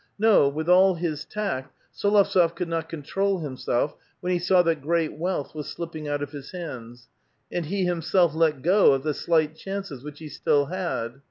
No, with all his tact, S61ovtsof could not control himself when he saw that great wealth was slipping out of his hands, and he himself let go of the slight chances which he still had.